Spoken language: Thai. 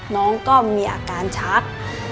น้องก็มีอาการชัก